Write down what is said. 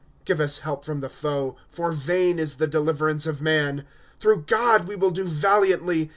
1^ Give us help from the foe ; For vain is the deliverance of man. '^ Through God we will do valiantly.